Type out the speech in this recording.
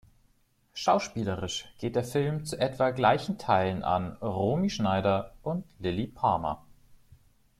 Schauspielerisch geht der Film zu etwa gleichen Teilen an Romy Schneider und Lilli Palmer.